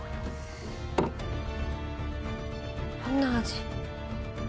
どんな味？